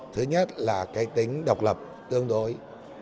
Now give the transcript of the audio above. thứ nhất là cái tính độc lập tương đối